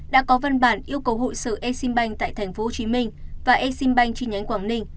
đã có văn bản yêu cầu hội sự exim bank tại tp hcm và exim bank chi nhánh quảng ninh